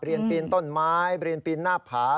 ปีนต้นไม้เรียนปีนหน้าผา